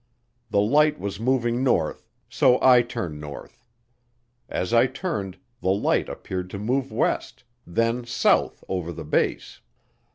The light was moving north, so I turned north. As I turned, the light appeared to move west, then south over the base.